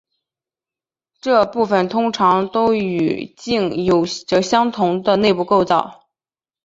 这部分通常都与茎有着相同的内部构造。